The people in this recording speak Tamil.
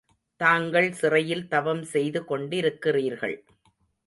தாங்கள் சிறையில் தவம் செய்து கொண்டிருக்கிறீர்கள்.